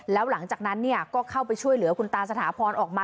แล้วหลังจากนั้นก็เข้าไปช่วยเหลือคุณตาสถาพรออกมา